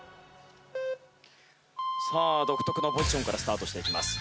さあ独特のポジションからスタートしていきます。